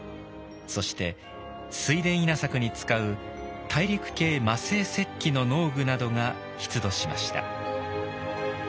そして水田稲作に使う大陸系磨製石器の農具などが出土しました。